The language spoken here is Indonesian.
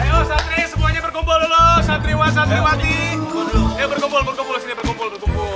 ayo santri semuanya berkumpul lho santriwati berkumpul berkumpul berkumpul